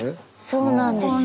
そうなんです。